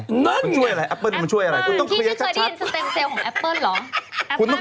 ร่างกายของเราชะลอการ